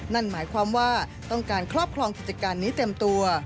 นั่นหมายความว่าต้องการครอบครองกิจการนี้เต็มตัว